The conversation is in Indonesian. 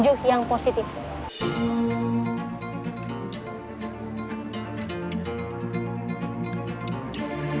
jumlah positif covid sembilan belas